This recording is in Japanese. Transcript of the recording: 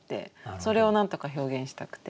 それをなんとか表現したくて。